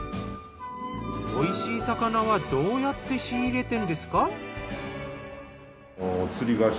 美味しい魚はどうやって仕入れているんですか？